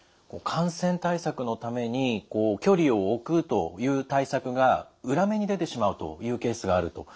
感染対策のために距離を置くという対策が裏目に出てしまうというケースがあると。